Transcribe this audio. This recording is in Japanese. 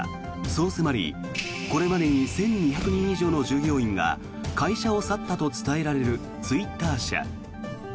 そう迫り、これまで１２００人以上の従業員が会社を去ったと伝えられるツイッター社。